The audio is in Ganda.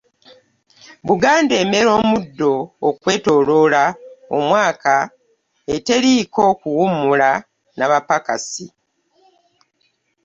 Buganda emera omuddo okwetoloola omwaka eteriiko kuwummula n'abapakasi.